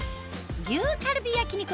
牛カルビ焼肉